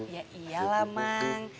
ya iyalah mang